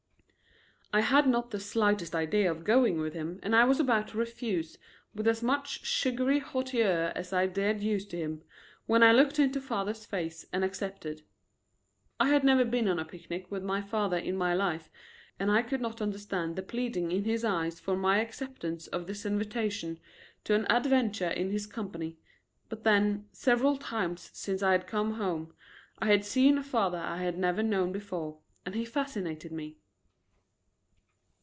I had not the slightest idea of going with him and I was about to refuse with as much sugary hauteur as I dared use to him, when I looked into father's face and accepted. I had never been on a picnic with my father in my life and I could not understand the pleading in his eyes for my acceptance of this invitation to an adventure in his company, but then, several times since I had come home, I had seen a father I had never known before, and he fascinated me.